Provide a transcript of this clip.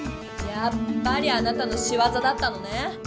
やっぱりあなたのしわざだったのね。